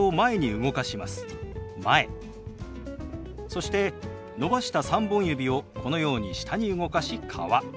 そして伸ばした３本指をこのように下に動かし「川」。